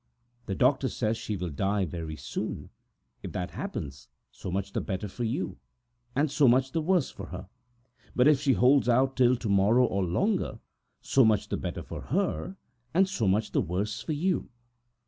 The doctor says she will die very soon. If that happens, so much the better for you, and so much the worse for me, but if she holds out till to morrow or longer, so much the better for me and so much the worse for you!"